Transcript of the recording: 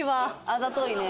あざといね。